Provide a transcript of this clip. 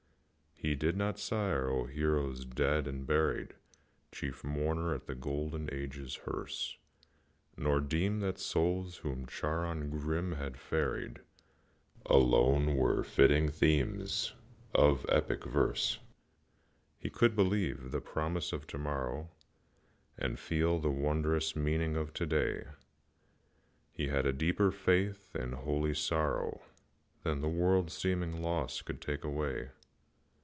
He did not sigh o'er heroes dead and buried, Chief mourner at the Golden Age's hearse, Nor deem that souls whom Charon grim had ferried Alone were fitting themes of epic verse: He could believe the promise of to morrow, And feel the wondrous meaning of to day; He had a deeper faith in holy sorrow Than the world's seeming loss could take away.